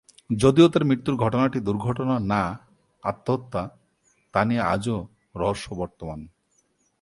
যদিও তার মৃত্যুর ঘটনাটি দুর্ঘটনা না আত্মহত্যা তা নিয়ে আজও রহস্য বর্তমান।